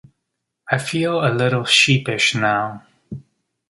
I feel a little sheepish now.